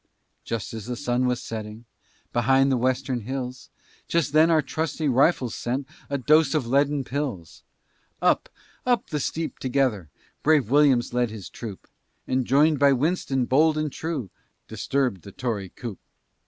Just as the sun was setting Behind the western hills, Just then our trusty rifles sent A dose of leaden pills. Up, up the steep together Brave Williams led his troop, And join'd by Winston, bold and true, Disturb'd the Tory coop.